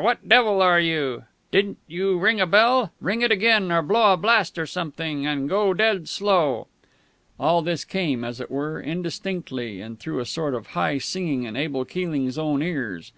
What the devil are you? Didn't you ring a bell? Ring it again, or blow a blast or something, and go dead slow!"_ All this came, as it were, indistinctly, and through a sort of high singing in Abel Keeling's own ears.